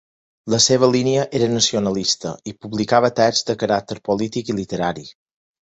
La seva línia era nacionalista i publicava texts de caràcter polític i literari.